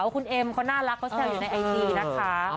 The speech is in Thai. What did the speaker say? คุณเอ็มเขาน่ารักเขาแซวอยู่ในไอจีนะคะ